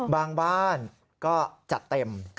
บ้านก็จัดเต็ม